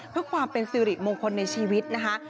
เพื่อความเป็นสิริมงคลในชีวิตนะคะ